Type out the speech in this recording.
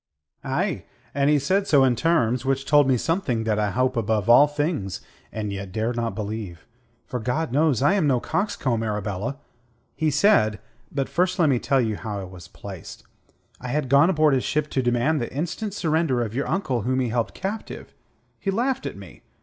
"Aye, and he said so in terms which told me something that I hope above all things, and yet dare not believe, for, God knows, I am no coxcomb, Arabella. He said... but first let me tell you how I was placed. I had gone aboard his ship to demand the instant surrender of your uncle whom he held captive. He laughed at me.